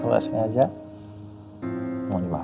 tapi resources ini adalah penting untuk elders